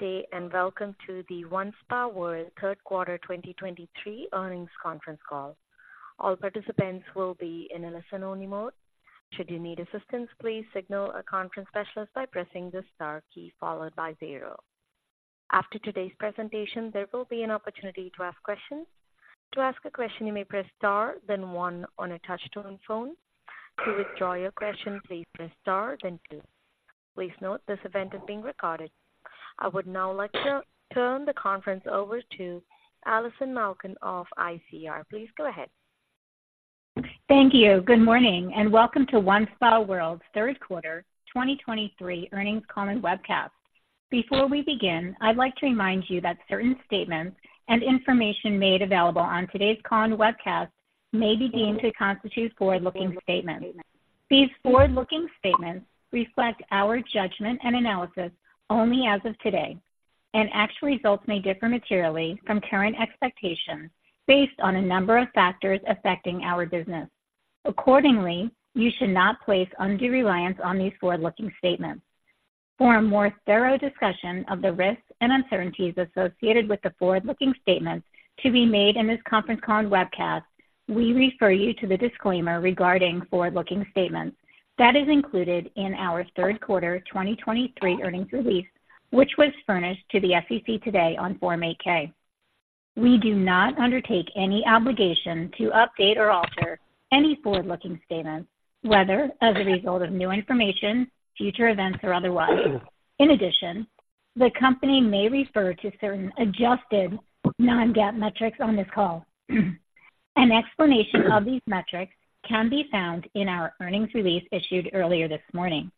Good day, and welcome to the OneSpaWorld Third Quarter 2023 Earnings Conference Call. All participants will be in a listen-only mode. Should you need assistance, please signal a conference specialist by pressing the star key followed by zero. After today's presentation, there will be an opportunity to ask questions. To ask a question, you may press star, then one on a touch-tone phone. To withdraw your question, please press star, then two. Please note, this event is being recorded. I would now like to turn the conference over to Allison Malkin of ICR. Please go ahead. Thank you. Good morning, and welcome to OneSpaWorld's Third Quarter 2023 Earnings Call and Webcast. Before we begin, I'd like to remind you that certain statements and information made available on today's call and webcast may be deemed to constitute forward-looking statements. These forward-looking statements reflect our judgment and analysis only as of today, and actual results may differ materially from current expectations based on a number of factors affecting our business. Accordingly, you should not place undue reliance on these forward-looking statements. For a more thorough discussion of the risks and uncertainties associated with the forward-looking statements to be made in this conference call and webcast, we refer you to the disclaimer regarding forward-looking statements that is included in our third quarter 2023 earnings release, which was furnished to the SEC today on Form 8-K. We do not undertake any obligation to update or alter any forward-looking statements, whether as a result of new information, future events, or otherwise. In addition, the company may refer to certain adjusted non-GAAP metrics on this call. An explanation of these metrics can be found in our earnings release issued earlier this morning.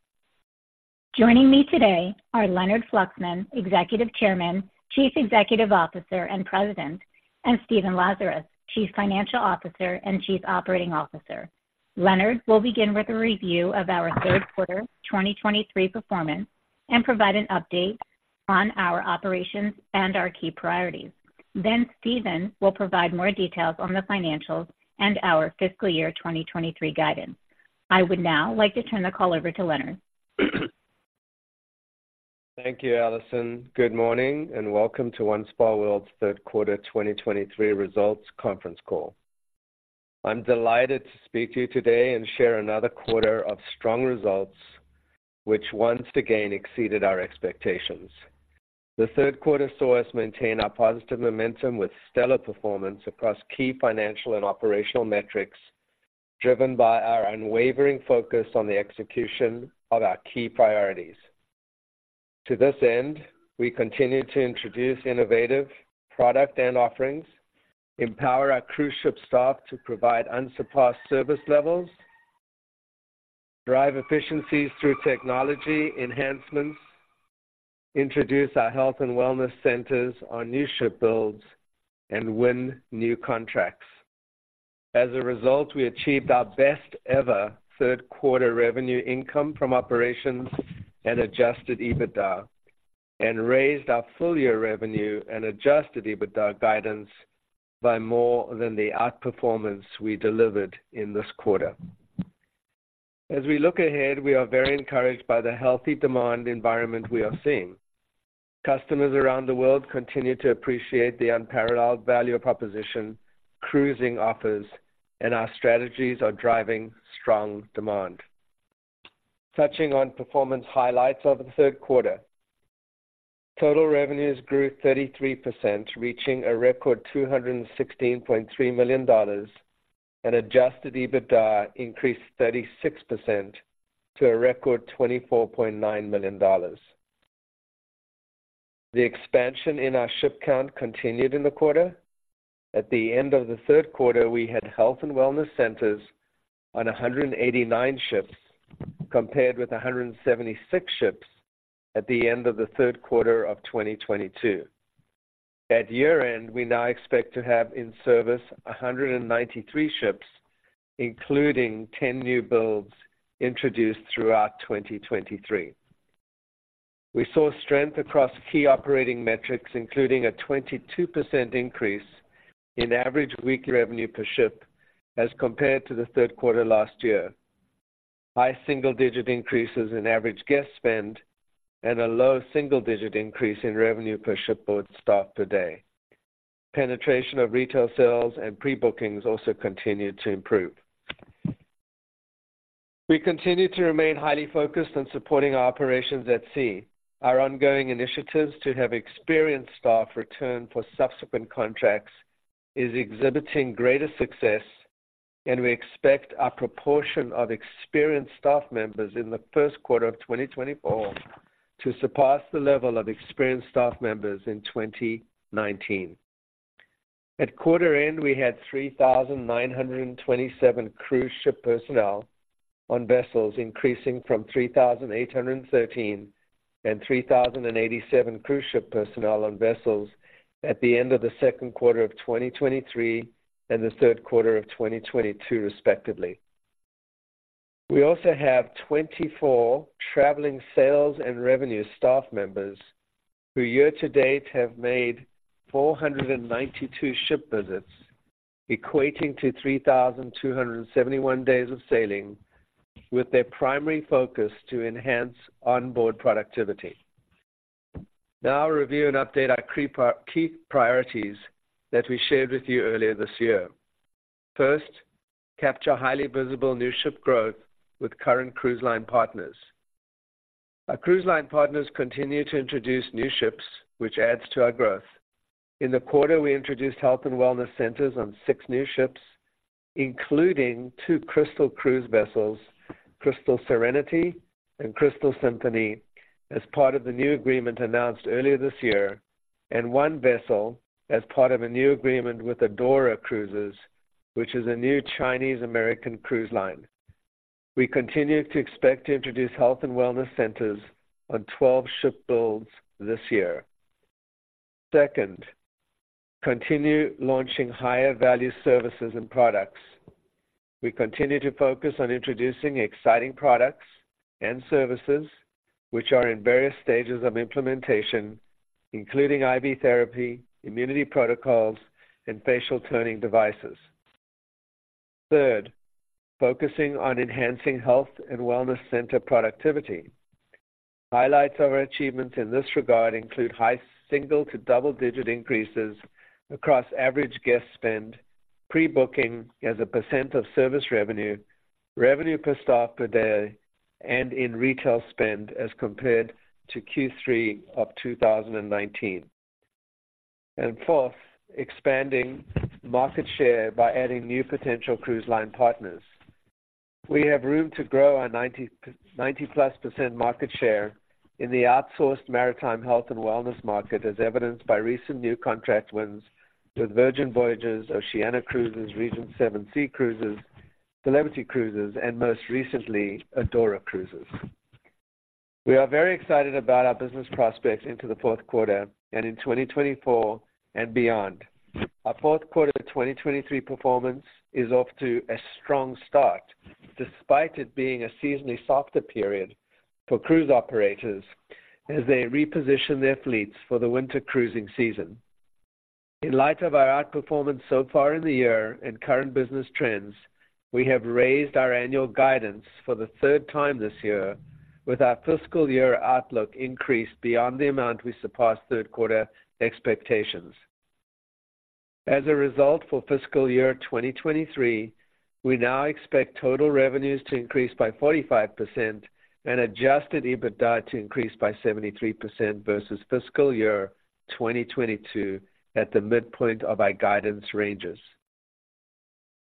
Joining me today are Leonard Fluxman, Executive Chairman, Chief Executive Officer, and President, and Stephen Lazarus, Chief Financial Officer and Chief Operating Officer. Leonard will begin with a review of our third quarter 2023 performance and provide an update on our operations and our key priorities. Then Stephen will provide more details on the financials and our fiscal year 2023 guidance. I would now like to turn the call over to Leonard. Thank you, Allison. Good morning, and welcome to OneSpaWorld's Third Quarter 2023 Results Conference Call. I'm delighted to speak to you today and share another quarter of strong results, which once again exceeded our expectations. The third quarter saw us maintain our positive momentum with stellar performance across key financial and operational metrics, driven by our unwavering focus on the execution of our key priorities. To this end, we continued to introduce innovative product and offerings, empower our cruise ship staff to provide unsurpassed service levels, drive efficiencies through technology enhancements, introduce our health and wellness centers on new ship builds, and win new contracts. As a result, we achieved our best ever third quarter revenue income from operations and Adjusted EBITDA, and raised our full-year revenue and Adjusted EBITDA guidance by more than the outperformance we delivered in this quarter. As we look ahead, we are very encouraged by the healthy demand environment we are seeing. Customers around the world continue to appreciate the unparalleled value proposition cruising offers, and our strategies are driving strong demand. Touching on performance highlights of the third quarter. Total revenues grew 33%, reaching a record $216.3 million, and Adjusted EBITDA increased 36% to a record $24.9 million. The expansion in our ship count continued in the quarter. At the end of the third quarter, we had health and wellness centers on 189 ships, compared with 176 ships at the end of the third quarter of 2022. At year-end, we now expect to have in service 193 ships, including 10 new builds introduced throughout 2023. We saw strength across key operating metrics, including a 22% increase in average weekly revenue per ship as compared to the third quarter last year. High single-digit increases in average guest spend and a low single-digit increase in revenue per shipboard staff per day. Penetration of retail sales and pre-bookings also continued to improve. We continue to remain highly focused on supporting our operations at sea. Our ongoing initiatives to have experienced staff return for subsequent contracts is exhibiting greater success, and we expect our proportion of experienced staff members in the first quarter of 2024 to surpass the level of experienced staff members in 2019. At quarter end, we had 3,927 cruise ship personnel on vessels, increasing from 3,813 and 3,087 cruise ship personnel on vessels at the end of the second quarter of 2023 and the third quarter of 2022, respectively. We also have 24 traveling sales and revenue staff members, who year to date have made 492 ship visits, equating to 3,271 days of sailing with their primary focus to enhance onboard productivity. Now, I'll review and update our key priorities that we shared with you earlier this year. First, capture highly visible new ship growth with current cruise line partners. Our cruise line partners continue to introduce new ships, which adds to our growth. In the quarter, we introduced health and wellness centers on six new ships, including two Crystal Cruises vessels, Crystal Serenity and Crystal Symphony, as part of the new agreement announced earlier this year, and one vessel as part of a new agreement with Adora Cruises, which is a new Chinese-American cruise line. We continue to expect to introduce health and wellness centers on 12 ship builds this year. Second, continue launching higher value services and products. We continue to focus on introducing exciting products and services which are in various stages of implementation, including IV therapy, immunity protocols, and facial toning devices. Third, focusing on enhancing health and wellness center productivity. Highlights of our achievements in this regard include high single- to double-digit increases across average guest spend, pre-booking as a % of service revenue, revenue per staff per day, and in retail spend as compared to Q3 of 2019. Fourth, expanding market share by adding new potential cruise line partners. We have room to grow our 90, +90% market share in the outsourced maritime health and wellness market, as evidenced by recent new contract wins with Virgin Voyages, Oceania Cruises, Regent Seven Seas Cruises, Celebrity Cruises, and most recently, Adora Cruises. We are very excited about our business prospects into the fourth quarter and in 2024 and beyond. Our fourth quarter 2023 performance is off to a strong start, despite it being a seasonally softer period for cruise operators as they reposition their fleets for the winter cruising season. In light of our outperformance so far in the year and current business trends, we have raised our annual guidance for the third time this year, with our fiscal year outlook increased beyond the amount we surpassed third quarter expectations. As a result, for fiscal year 2023, we now expect total revenues to increase by 45% and Adjusted EBITDA to increase by 73% versus fiscal year 2022, at the midpoint of our guidance ranges.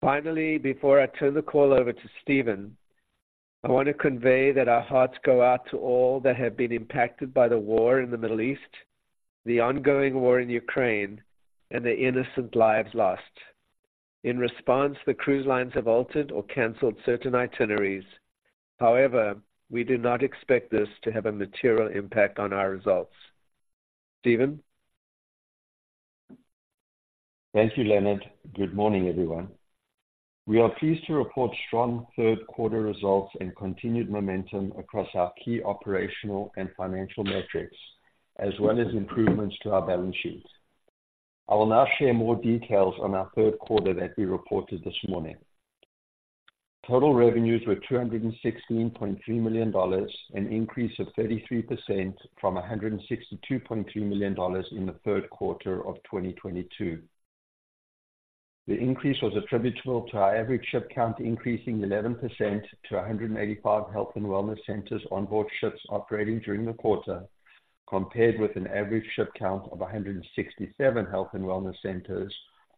Finally, before I turn the call over to Stephen, I want to convey that our hearts go out to all that have been impacted by the war in the Middle East, the ongoing war in Ukraine, and the innocent lives lost. In response, the cruise lines have altered or canceled certain itineraries. However, we do not expect this to have a material impact on our results. Stephen? Thank you, Leonard. Good morning, everyone. We are pleased to report strong third quarter results and continued momentum across our key operational and financial metrics, as well as improvements to our balance sheet. I will now share more details on our third quarter that we reported this morning. Total revenues were $216.3 million, an increase of 33% from $162.3 million in the third quarter of 2022. The increase was attributable to our average ship count, increasing 11% to 185 health and wellness centers on board ships operating during the quarter, compared with an average ship count of 167 health and wellness centers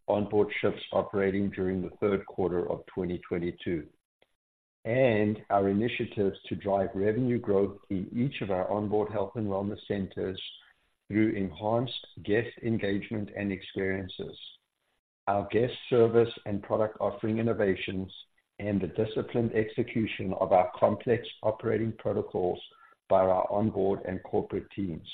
on board ships operating during the third quarter of 2022. Our initiatives to drive revenue growth in each of our onboard health and wellness centers through enhanced guest engagement and experiences, our guest service and product offering innovations, and the disciplined execution of our complex operating protocols by our onboard and corporate teams.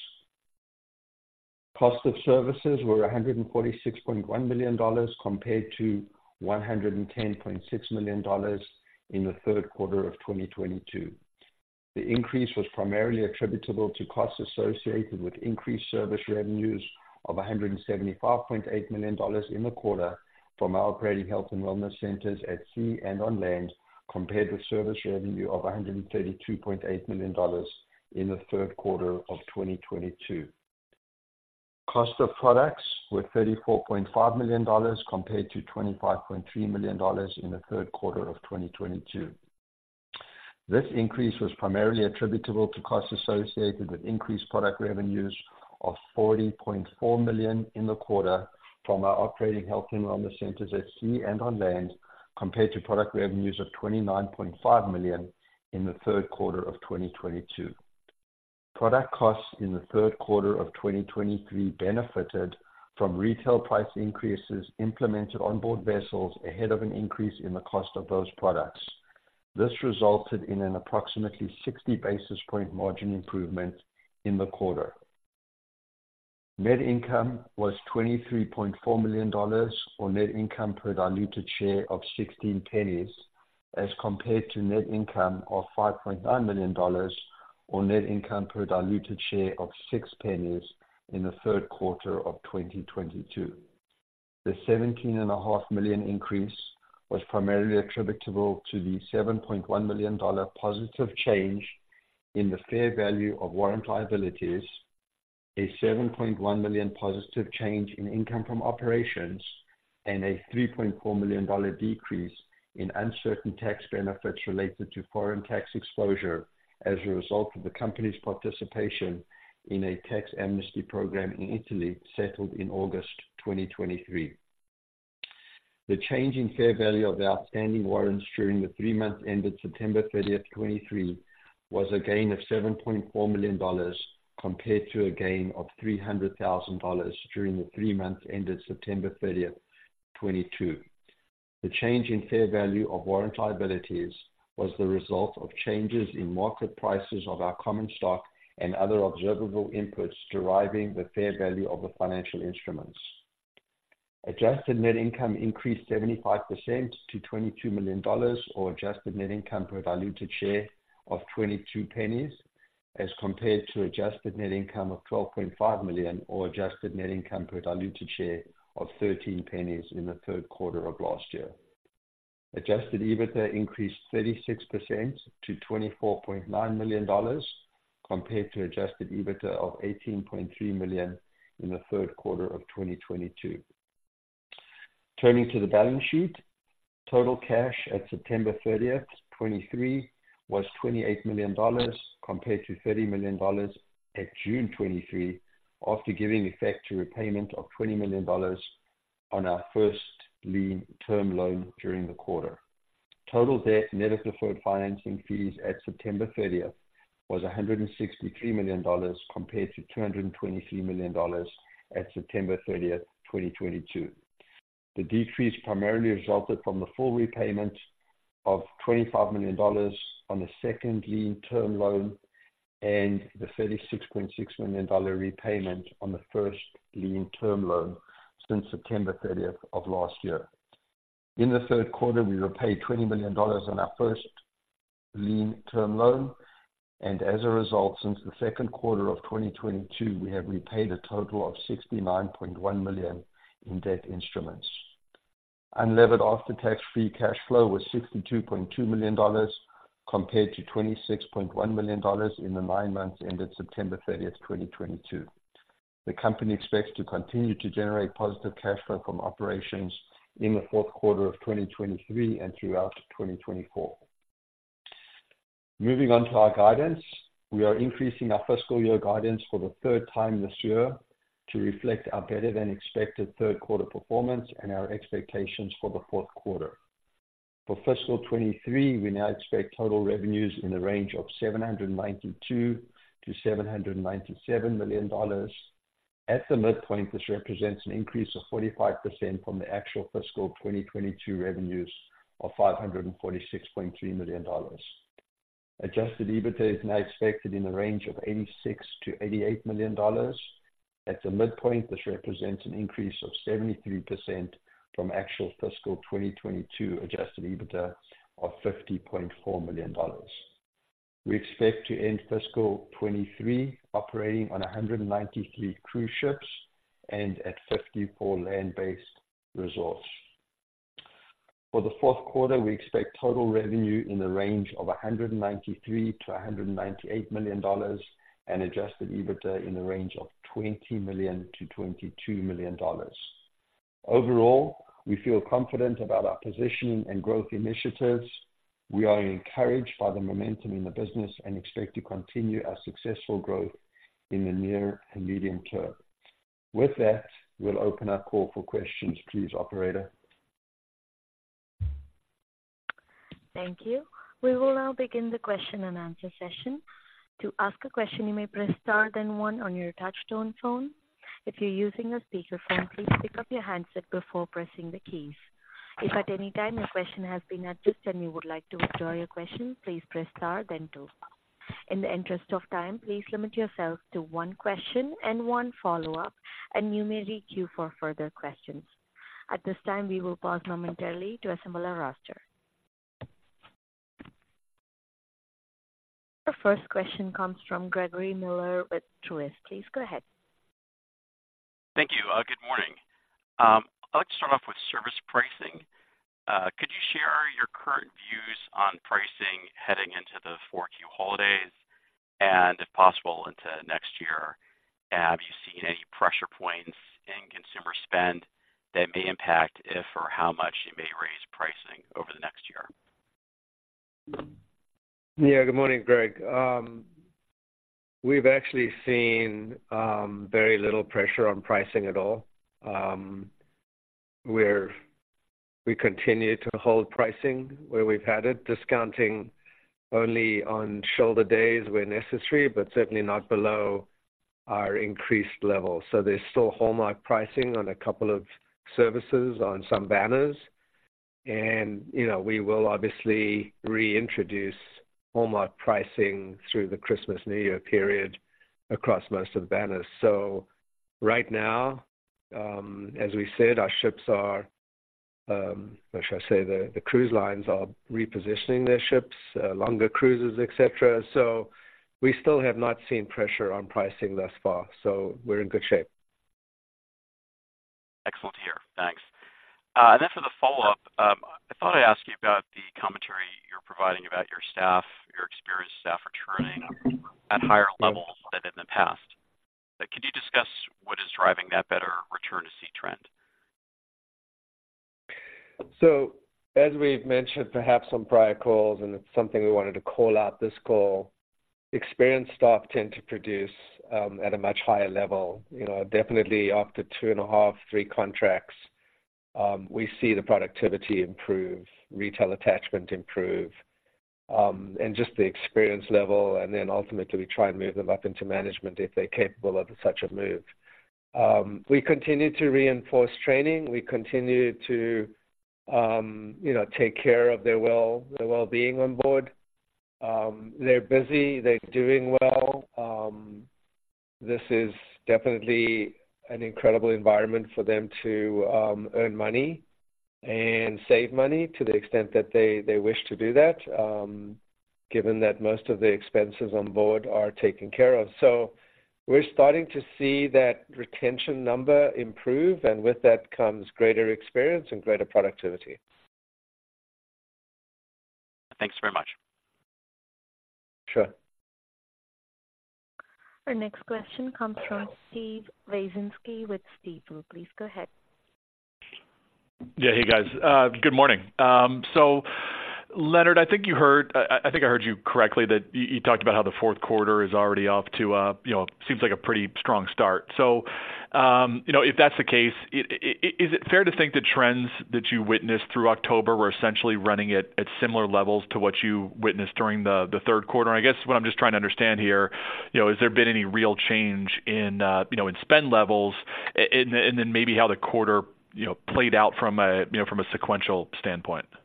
Cost of services were $146.1 million, compared to $110.6 million in the third quarter of 2022. The increase was primarily attributable to costs associated with increased service revenues of $175.8 million in the quarter from our operating health and wellness centers at sea and on land, compared with service revenue of $132.8 million in the third quarter of 2022. Cost of products were $34.5 million, compared to $25.3 million in the third quarter of 2022. This increase was primarily attributable to costs associated with increased product revenues of $40.4 million in the quarter from our operating health and wellness centers at sea and on land, compared to product revenues of $29.5 million in the third quarter of 2022. Product costs in the third quarter of 2023 benefited from retail price increases implemented on board vessels ahead of an increase in the cost of those products. This resulted in an approximately 60 basis point margin improvement in the quarter. Net income was $23.4 million, or net income per diluted share of $0.16, as compared to net income of $5.9 million, or net income per diluted share of $0.06 in the third quarter of 2022.... The $17.5 million increase was primarily attributable to the $7.1 million positive change in the fair value of warrant liabilities, a $7.1 million positive change in income from operations, and a $3.4 million decrease in uncertain tax benefits related to foreign tax exposure as a result of the company's participation in a tax amnesty program in Italy, settled in August 2023. The change in fair value of the outstanding warrants during the three months ended September 30th, 2023, was a gain of $7.4 million, compared to a gain of $300,000 during the three months ended September 30th, 2022. The change in fair value of warrant liabilities was the result of changes in market prices of our common stock and other observable inputs deriving the fair value of the financial instruments. Adjusted Net Income increased 75% to $22 million, or Adjusted Net Income per diluted share of $0.22, as compared to Adjusted Net Income of $12.5 million, or Adjusted Net Income per diluted share of $0.13 in the third quarter of last year. Adjusted EBITDA increased 36% to $24.9 million, compared to Adjusted EBITDA of $18.3 million in the third quarter of 2022. Turning to the balance sheet. Total cash at September 30th, 2023, was $28 million, compared to $30 million at June 2023, after giving effect to repayment of $20 million on our first lien term loan during the quarter. Total debt, net of deferred financing fees at September 30th, was $163 million, compared to $223 million at September 30th, 2022. The decrease primarily resulted from the full repayment of $25 million on the second lien term loan and the $36.6 million dollar repayment on the first lien term loan since September 30th of last year. In the third quarter, we repaid $20 million on our first lien term loan, and as a result, since the second quarter of 2022, we have repaid a total of $69.1 million in debt instruments. Unlevered after-tax free cash flow was $62.2 million, compared to $26.1 million in the nine months ended September 30th, 2022. The company expects to continue to generate positive cash flow from operations in the fourth quarter of 2023 and throughout 2024. Moving on to our guidance. We are increasing our fiscal year guidance for the third time this year to reflect our better-than-expected third quarter performance and our expectations for the fourth quarter. For fiscal 2023, we now expect total revenues in the range of $792 million-$797 million. At the midpoint, this represents an increase of 45% from the actual fiscal 2022 revenues of $546.3 million. Adjusted EBITDA is now expected in the range of $86 million-$88 million. At the midpoint, this represents an increase of 73% from actual fiscal 2022 Adjusted EBITDA of $50.4 million. We expect to end fiscal 2023 operating on 193 cruise ships and at 54 land-based resorts. For the fourth quarter, we expect total revenue in the range of $193 million-$198 million and Adjusted EBITDA in the range of $20 million-$22 million. Overall, we feel confident about our positioning and growth initiatives. We are encouraged by the momentum in the business and expect to continue our successful growth in the near and medium term. With that, we'll open our call for questions. Please, operator. Thank you. We will now begin the question and answer session. To ask a question, you may press star then one on your touchtone phone. If you're using a speakerphone, please pick up your handset before pressing the keys. If at any time your question has been addressed and you would like to withdraw your question, please press star then two. In the interest of time, please limit yourself to one question and one follow-up, and you may queue for further questions. At this time, we will pause momentarily to assemble our roster. Our first question comes from Gregory Miller with Truist. Please go ahead. Thank you. Good morning. I'd like to start off with service pricing. Could you share your current views on pricing heading into the 4Q holidays and, if possible, into next year? And have you seen any pressure points in consumer spend that may impact if or how much you may raise pricing over the next year? Yeah. Good morning, Greg. We've actually seen very little pressure on pricing at all. We're continuing to hold pricing where we've had it, discounting only on shoulder days where necessary, but certainly not below our increased levels. So there's still hallmark pricing on a couple of services on some banners, and, you know, we will obviously reintroduce hallmark pricing through the Christmas, New Year period across most of the banners. So right now, as we said, our ships are-... or should I say, the cruise lines are repositioning their ships, longer cruises, et cetera. So we still have not seen pressure on pricing thus far, so we're in good shape. Excellent to hear. Thanks. And then for the follow-up, I thought I'd ask you about the commentary you're providing about your staff, your experienced staff returning at higher levels than in the past. But could you discuss what is driving that better return-to-sea trend? So as we've mentioned, perhaps on prior calls, and it's something we wanted to call out this call, experienced staff tend to produce at a much higher level. You know, definitely after 2.5, 3 contracts, we see the productivity improve, retail attachment improve, and just the experience level, and then ultimately, we try and move them up into management if they're capable of such a move. We continue to reinforce training. We continue to, you know, take care of their well-being on board. They're busy, they're doing well. This is definitely an incredible environment for them to earn money and save money to the extent that they wish to do that, given that most of the expenses on board are taken care of. We're starting to see that retention number improve, and with that comes greater experience and greater productivity. Thanks very much. Sure. Our next question comes from Steve Wieczynski with Stifel. Please go ahead. Yeah. Hey, guys. Good morning. So Leonard, I think you heard. I think I heard you correctly, that you talked about how the fourth quarter is already off to a, you know, seems like a pretty strong start. So, you know, if that's the case, is it fair to think the trends that you witnessed through October were essentially running at similar levels to what you witnessed during the third quarter? I guess what I'm just trying to understand here, you know, has there been any real change in, you know, in spend levels, and then maybe how the quarter, you know, played out from a sequential standpoint? Yeah,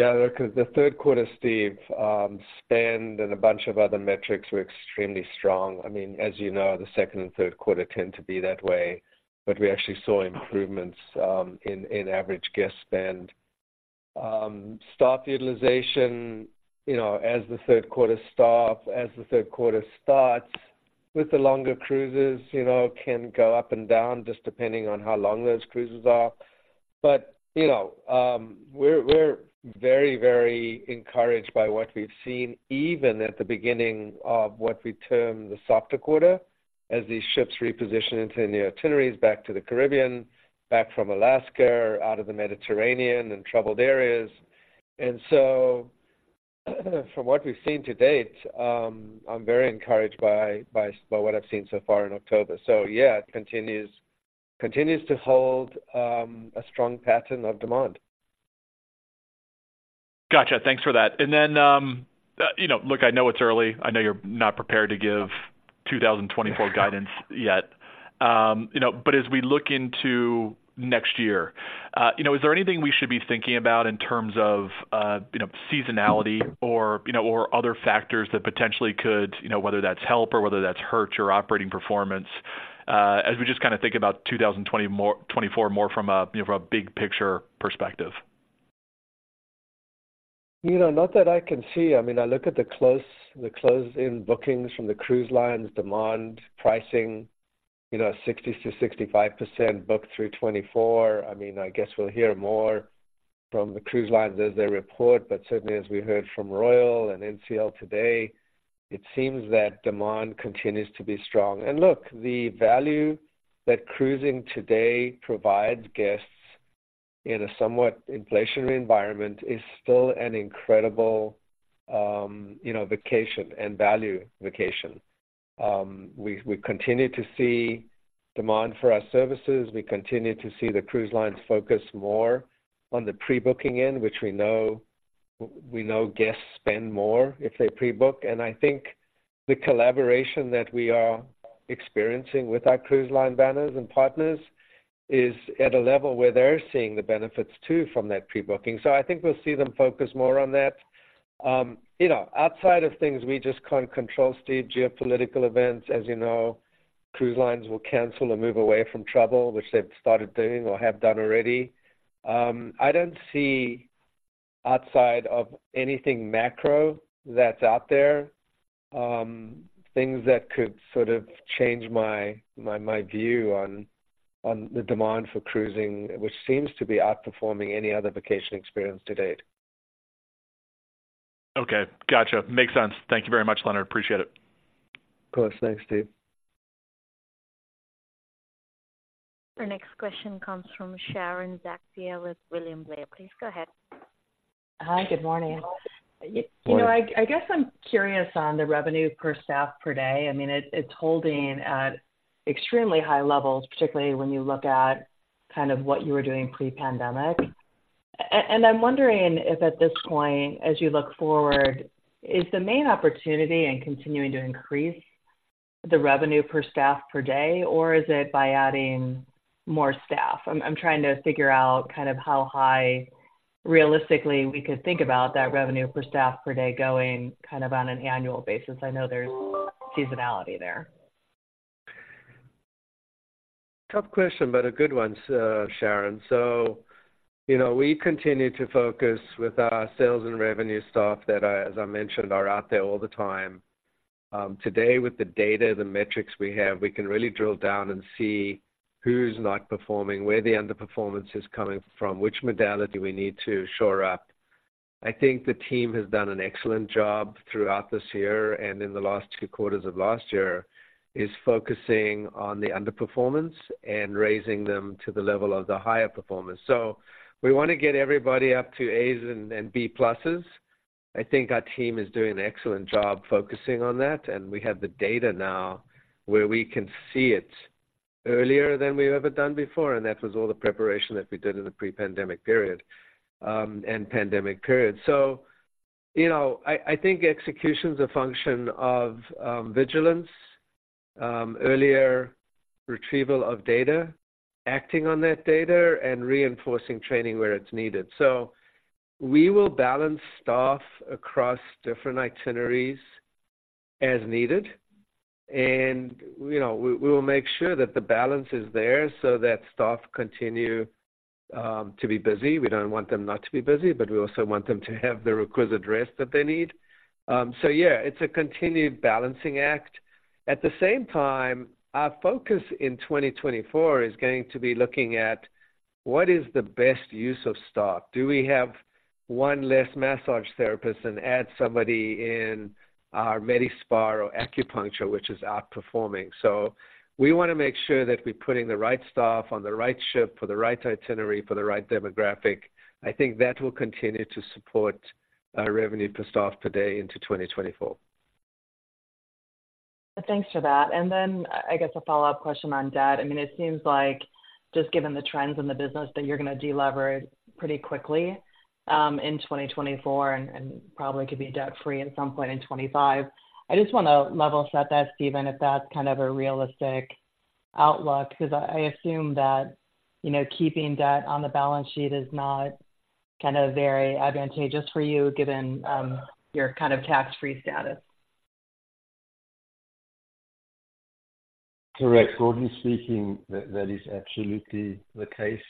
look, the third quarter, Steve, spend and a bunch of other metrics were extremely strong. I mean, as you know, the second and third quarter tend to be that way, but we actually saw improvements in average guest spend. Staff utilization, you know, as the third quarter starts with the longer cruises, you know, can go up and down just depending on how long those cruises are. But, you know, we're very, very encouraged by what we've seen, even at the beginning of what we term the softer quarter, as these ships reposition into the itineraries back to the Caribbean, back from Alaska, out of the Mediterranean and troubled areas. And so, from what we've seen to date, I'm very encouraged by what I've seen so far in October. So yeah, it continues to hold a strong pattern of demand. Gotcha. Thanks for that. Then, you know, look, I know it's early. I know you're not prepared to give 2024 guidance yet. You know, but as we look into next year, you know, is there anything we should be thinking about in terms of, you know, seasonality or, you know, or other factors that potentially could, you know, whether that's help or whether that's hurt your operating performance, as we just kind of think about 2024 more from a, you know, from a big picture perspective? You know, not that I can see. I mean, I look at the close, the close-in bookings from the cruise lines, demand, pricing, you know, 60%-65% booked through 2024. I mean, I guess we'll hear more from the cruise lines as they report, but certainly as we heard from Royal and NCL today, it seems that demand continues to be strong. And look, the value that cruising today provides guests in a somewhat inflationary environment is still an incredible, you know, vacation and value vacation. We, we continue to see demand for our services. We continue to see the cruise lines focus more on the pre-booking end, which we know, we know guests spend more if they pre-book. I think the collaboration that we are experiencing with our cruise line partners and partners is at a level where they're seeing the benefits too, from that pre-booking. So I think we'll see them focus more on that. You know, outside of things, we just can't control Steve, geopolitical events. As you know, cruise lines will cancel or move away from trouble, which they've started doing or have done already. I don't see outside of anything macro that's out there, things that could sort of change my view on the demand for cruising, which seems to be outperforming any other vacation experience to date. Okay, gotcha. Makes sense. Thank you very much, Leonard. Appreciate it. Of course. Thanks, Steve. Our next question comes from Sharon Zackfia with William Blair. Please go ahead. Hi, good morning. Good morning. You know, I guess I'm curious on the revenue per staff per day. I mean, it's holding at extremely high levels, particularly when you look at kind of what you were doing pre-pandemic. And I'm wondering if at this point, as you look forward, is the main opportunity in continuing to increase the revenue per staff per day, or is it by adding more staff? I'm trying to figure out kind of how high realistically we could think about that revenue per staff per day going kind of on an annual basis? I know there's seasonality there. Tough question, but a good one, sir, Sharon. So, you know, we continue to focus with our sales and revenue staff that I, as I mentioned, are out there all the time. Today, with the data, the metrics we have, we can really drill down and see who's not performing, where the underperformance is coming from, which modality we need to shore up. I think the team has done an excellent job throughout this year, and in the last two quarters of last year, is focusing on the underperformance and raising them to the level of the higher performers. So we want to get everybody up to A's and B pluses. I think our team is doing an excellent job focusing on that, and we have the data now where we can see it earlier than we've ever done before, and that was all the preparation that we did in the pre-pandemic period, and pandemic period. So, you know, I think execution is a function of, vigilance, earlier retrieval of data, acting on that data, and reinforcing training where it's needed. So we will balance staff across different itineraries as needed. And, you know, we will make sure that the balance is there so that staff continue to be busy. We don't want them not to be busy, but we also want them to have the requisite rest that they need. So yeah, it's a continued balancing act. At the same time, our focus in 2024 is going to be looking at what is the best use of staff. Do we have one less massage therapist and add somebody in our Medi Spa or acupuncture, which is outperforming? So we want to make sure that we're putting the right staff on the right ship for the right itinerary, for the right demographic. I think that will continue to support our revenue per staff per day into 2024. Thanks for that. And then, I guess a follow-up question on debt. I mean, it seems like just given the trends in the business, that you're going to delever pretty quickly in 2024 and probably could be debt-free at some point in 2025. I just want to level set that, Stephen, if that's kind of a realistic outlook, because I assume that, you know, keeping debt on the balance sheet is not kind of very advantageous for you, given your kind of tax-free status. Correct. Broadly speaking, that is absolutely the case.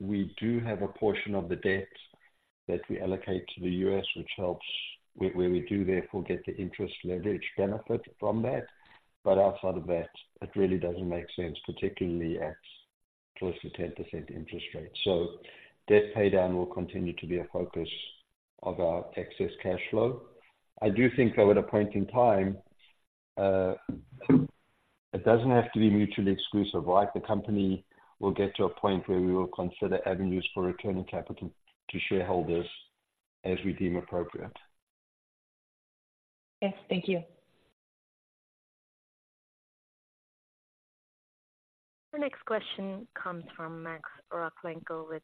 We do have a portion of the debt that we allocate to the U.S., which helps, where we do therefore get the interest leverage benefit from that. But outside of that, it really doesn't make sense, particularly at close to 10% interest rate. So debt paydown will continue to be a focus of our excess cash flow. I do think, though, at a point in time, it doesn't have to be mutually exclusive, right? The company will get to a point where we will consider avenues for returning capital to shareholders as we deem appropriate. Okay. Thank you. The next question comes from Max Rakhlenko with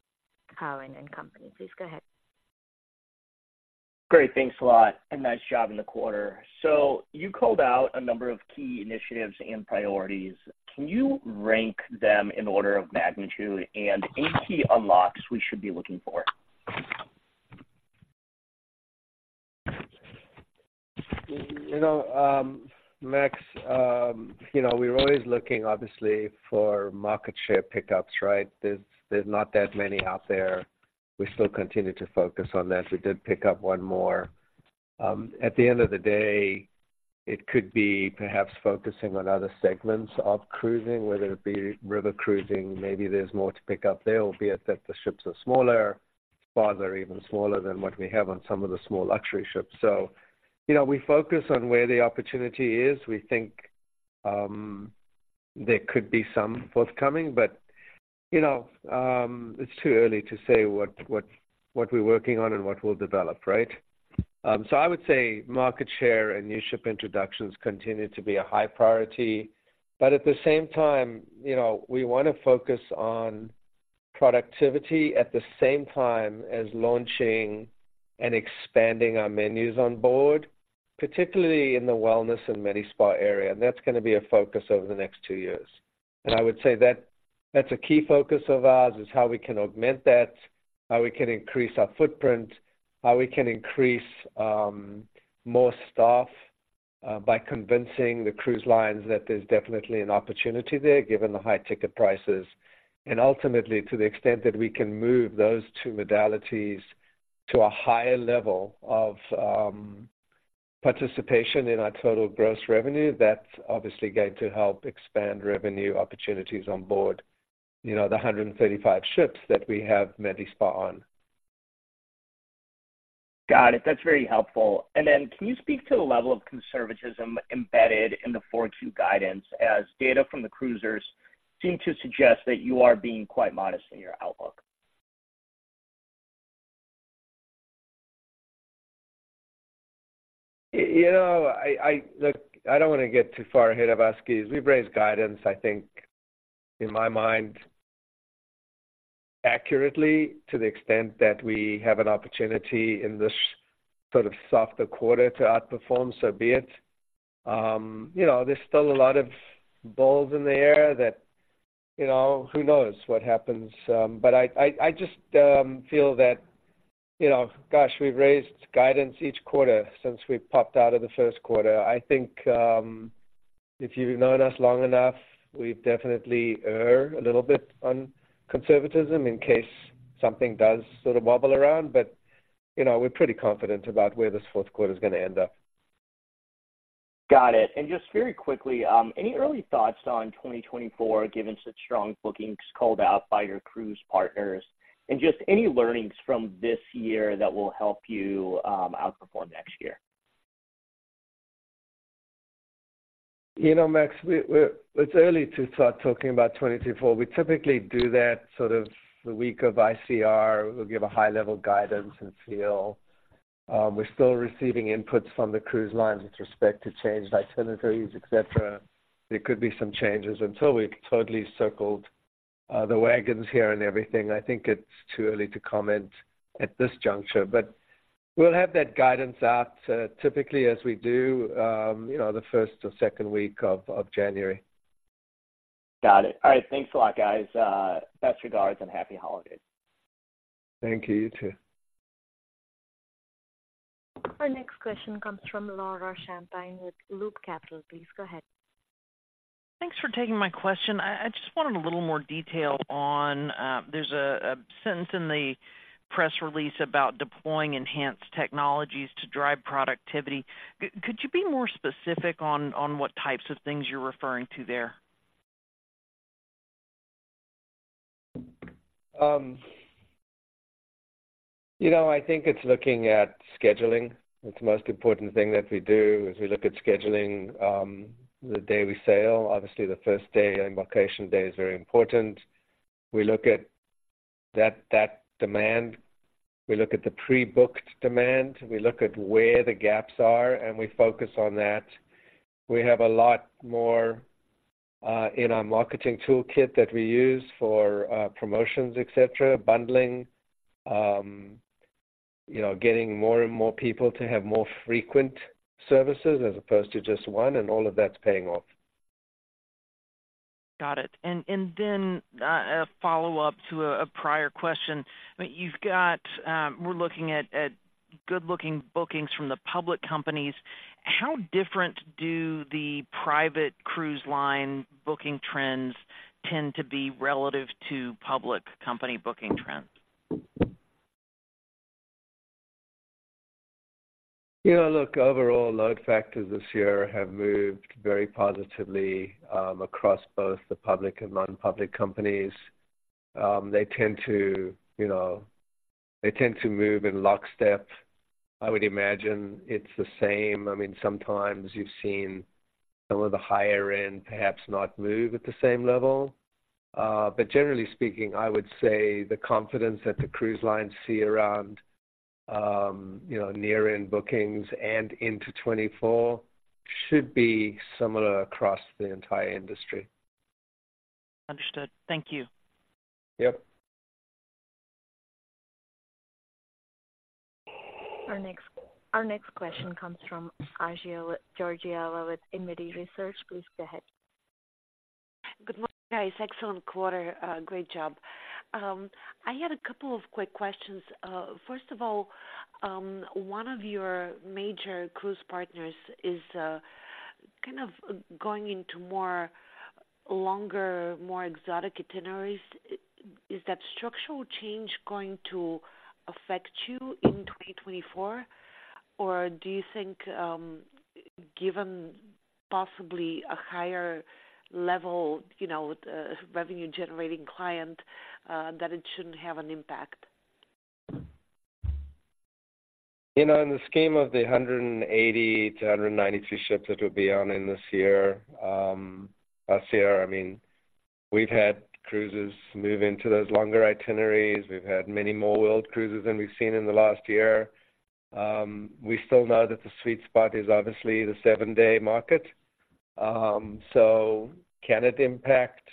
Cowen and Company. Please go ahead. Great. Thanks a lot, and nice job in the quarter. So you called out a number of key initiatives and priorities. Can you rank them in order of magnitude and any key unlocks we should be looking for? You know, Max, you know, we're always looking obviously for market share pickups, right? There's not that many out there. We still continue to focus on that. We did pick up one more. At the end of the day, it could be perhaps focusing on other segments of cruising, whether it be river cruising, maybe there's more to pick up there, albeit that the ships are smaller, farther, even smaller than what we have on some of the small luxury ships. So, you know, we focus on where the opportunity is. We think there could be some forthcoming, but, you know, it's too early to say what we're working on and what will develop, right? So, I would say market share and new ship introductions continue to be a high priority, but at the same time, you know, we want to focus on productivity at the same time as launching and expanding our menus on board, particularly in the wellness and Medi Spa area, and that's going to be a focus over the next two years. I would say that, that's a key focus of ours, is how we can augment that, how we can increase our footprint, how we can increase more staff by convincing the cruise lines that there's definitely an opportunity there, given the high ticket prices. Ultimately, to the extent that we can move those two modalities to a higher level of participation in our total gross revenue, that's obviously going to help expand revenue opportunities on board, you know, the 135 ships that we have Medi Spa on. Got it. That's very helpful. And then, can you speak to the level of conservatism embedded in the [FY] 2022 guidance, as data from the cruisers seem to suggest that you are being quite modest in your outlook? You know, look, I don't want to get too far ahead of us, because we've raised guidance, I think, in my mind, accurately to the extent that we have an opportunity in this sort of softer quarter to outperform, so be it. You know, there's still a lot of balls in the air that, you know, who knows what happens? But I just feel that, you know, gosh, we've raised guidance each quarter since we popped out of the first quarter. I think, if you've known us long enough, we definitely err a little bit on conservatism in case something does sort of wobble around. But, you know, we're pretty confident about where this fourth quarter is gonna end up. Got it. And just very quickly, any early thoughts on 2024, given such strong bookings called out by your cruise partners? And just any learnings from this year that will help you, outperform next year? You know, Max, it's early to start talking about 2024. We typically do that sort of the week of ICR. We'll give a high-level guidance and feel. We're still receiving inputs from the cruise lines with respect to changed itineraries, et cetera. There could be some changes. Until we've totally circled the wagons here and everything, I think it's too early to comment at this juncture. But we'll have that guidance out, typically as we do, you know, the first or second week of January. Got it. All right. Thanks a lot, guys. Best regards and happy holidays. Thank you. You too. Our next question comes from Laura Champine with Loop Capital. Please, go ahead. Thanks for taking my question. I just wanted a little more detail on. There's a sentence in the press release about deploying enhanced technologies to drive productivity. Could you be more specific on what types of things you're referring to there? You know, I think it's looking at scheduling. It's the most important thing that we do, is we look at scheduling, the day we sail. Obviously, the first day, embarkation day, is very important. We look at that, that demand, we look at the pre-booked demand, we look at where the gaps are, and we focus on that. We have a lot more in our marketing toolkit that we use for promotions, et cetera, bundling. You know, getting more and more people to have more frequent services as opposed to just one, and all of that's paying off. Got it. And, a follow-up to a prior question. You've got. We're looking at good-looking bookings from the public companies. How different do the private cruise line booking trends tend to be relative to public company booking trends? You know, look, overall, load factors this year have moved very positively, across both the public and non-public companies. They tend to, you know, they tend to move in lockstep. I would imagine it's the same. I mean, sometimes you've seen some of the higher end perhaps not move at the same level. But generally speaking, I would say the confidence that the cruise lines see around, you know, near-end bookings and into 2024 should be similar across the entire industry. Understood. Thank you. Yep. Our next question comes from Assia Georgieva with Infinity Research. Please, go ahead. Good morning, guys. Excellent quarter. Great job. I had a couple of quick questions. First of all, one of your major cruise partners is kind of going into more longer, more exotic itineraries. Is that structural change going to affect you in 2024? Or do you think, given possibly a higher level, you know, revenue-generating client, that it shouldn't have an impact? You know, in the scheme of the 180-192 ships that will be on in this year, last year, I mean, we've had cruises move into those longer itineraries. We've had many more world cruises than we've seen in the last year. We still know that the sweet spot is obviously the seven-day market. So can it impact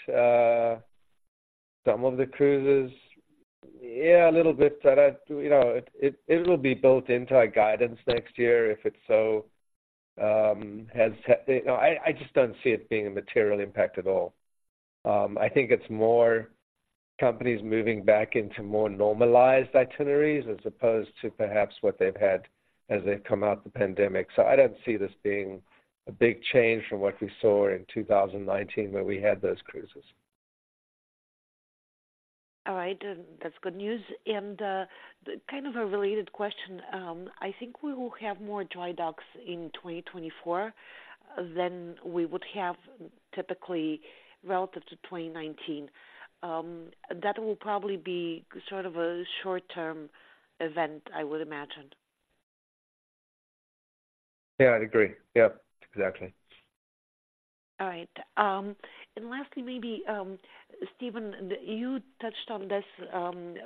some of the cruises? Yeah, a little bit. But I, you know, it, it, it will be built into our guidance next year if it's so. As you know, I, I just don't see it being a material impact at all. I think it's more companies moving back into more normalized itineraries as opposed to perhaps what they've had as they've come out the pandemic. So I don't see this being a big change from what we saw in 2019, where we had those cruises. All right, that's good news. And, kind of a related question. I think we will have more dry docks in 2024 than we would have typically relative to 2019. That will probably be sort of a short-term event, I would imagine. Yeah, I'd agree. Yep, exactly. All right. And lastly, maybe, Stephen, you touched on this,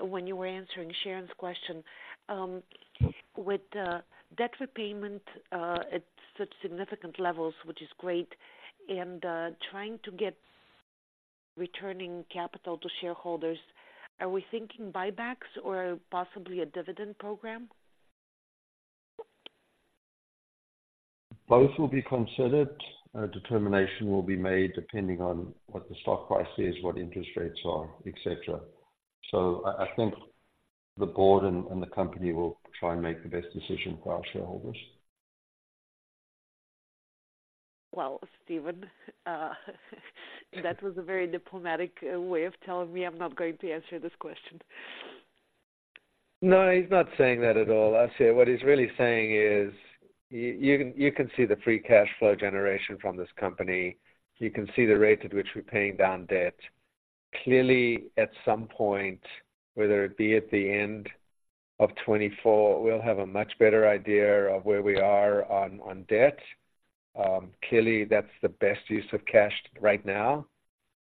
when you were answering Sharon's question. With debt repayment at such significant levels, which is great, and returning capital to shareholders, are we thinking buybacks or possibly a dividend program? Both will be considered. A determination will be made depending on what the stock price is, what interest rates are, et cetera. So I think the board and the company will try and make the best decision for our shareholders. Well, Stephen, that was a very diplomatic way of telling me, I'm not going to answer this question. No, he's not saying that at all. I'd say what he's really saying is, you can see the free cash flow generation from this company. You can see the rate at which we're paying down debt. Clearly, at some point, whether it be at the end of 2024, we'll have a much better idea of where we are on debt. Clearly, that's the best use of cash right now,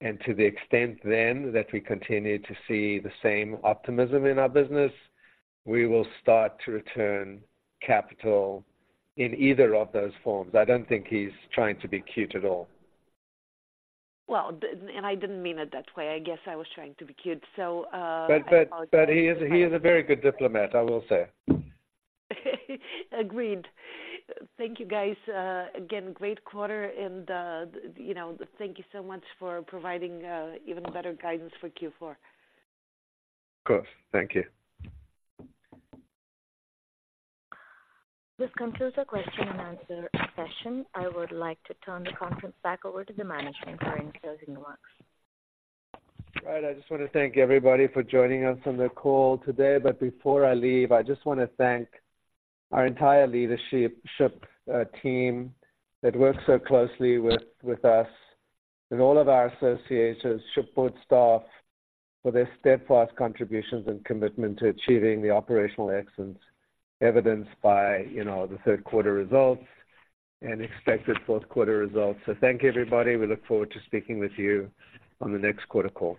and to the extent then that we continue to see the same optimism in our business, we will start to return capital in either of those forms. I don't think he's trying to be cute at all. Well, I didn't mean it that way. I guess I was trying to be cute. So, But he is a very good diplomat, I will say. Agreed. Thank you, guys. Again, great quarter, and, you know, thank you so much for providing even better guidance for Q4. Of course. Thank you. This concludes the question and answer session. I would like to turn the conference back over to the management for any closing remarks. Right. I just want to thank everybody for joining us on the call today. But before I leave, I just want to thank our entire leadership, shipboard team that works so closely with us, and all of our associates, shipboard staff, for their steadfast contributions and commitment to achieving the operational excellence evidenced by, you know, the third quarter results and expected fourth quarter results. So thank you, everybody. We look forward to speaking with you on the next quarter call.